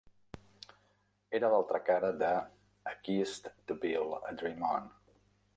Era l'altra cara de "A Kiss to Build a Dream On".